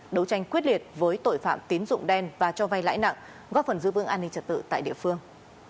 đấu tranh quyết liệt với tội phạm tín dụng đen và cho vay lãi nặng góp phần giữ vững an ninh trật tự tại địa phương